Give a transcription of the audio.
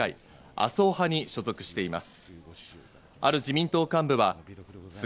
麻生派に所属しています。